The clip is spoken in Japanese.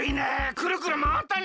くるくるまわったね！